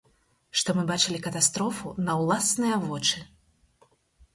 Што мы бачылі катастрофу на ўласныя вочы.